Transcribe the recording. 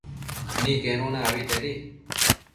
Niquenuna abetedi